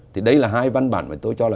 thì đây là hai văn bản mà tôi cho là